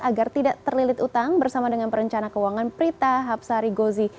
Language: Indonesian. agar tidak terlilit utang bersama dengan perencana keuangan prita hapsari gozi